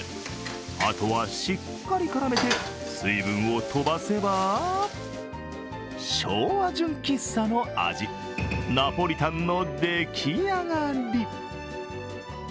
あとは、しっかり絡めて、水分を飛ばせば昭和純喫茶の味、ナポリタンの出来上がり。